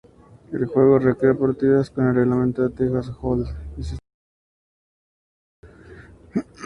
El juego recrea partidas con el reglamento Texas Hold 'Em y sistema de apuestas.